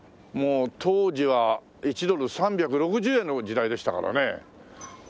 もう当時は１ドル３６０円の時代でしたからね。